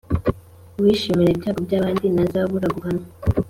Uwishimira ibyago by abandi ntazabura guhanwa